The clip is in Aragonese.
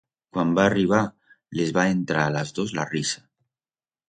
Cuan va arribar, les va entrar a las dos la risa.